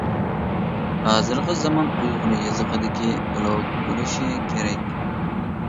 ھازىرقى زامان ئۇيغۇر يېزىقىدىكى بىلوگ بولۇشى كېرەك.